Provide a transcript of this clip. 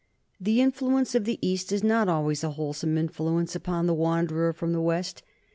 The influence of the East is not always a wholesome influence upon the wanderer from the West.